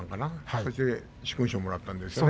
そして殊勲賞をもらえたんですよね。